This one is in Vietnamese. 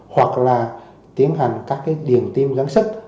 hoặc là tiến hành các điện tim gắn sức